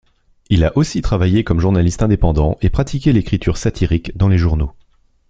Il a aussi travaillé comme journaliste indépendant, et pratiqué l'écriture satirique dans les journaux.